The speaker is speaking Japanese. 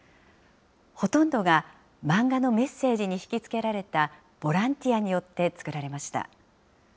ほとんどが漫画のメッセージに引き付けられたボランティアによって作られました。